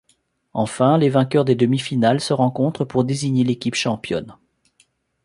Enfin, les vainqueurs des demi-finales se rencontrent pour désigner l'équipe championne.